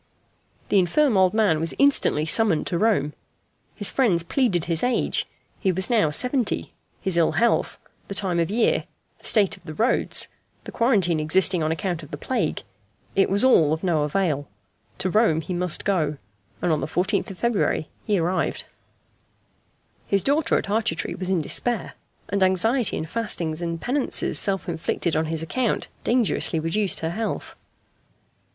The infirm old man was instantly summoned to Rome. His friends pleaded his age he was now seventy his ill health, the time of year, the state of the roads, the quarantine existing on account of the plague. It was all of no avail, to Rome he must go, and on the 14th of February he arrived. [Illustration: FIG. 52. Portrait of Galileo.] His daughter at Arcetri was in despair; and anxiety and fastings and penances self inflicted on his account, dangerously reduced her health.